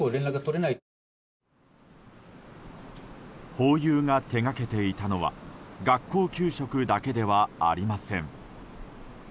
ホーユーが手掛けていたのは学校給食だけではありません。